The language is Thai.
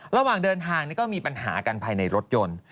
ระหว่างเดินทางก็มีปัญหากันภายในรถยนต์